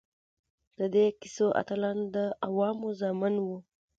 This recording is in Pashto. د دې کیسو اتلان د عوامو زامن وو.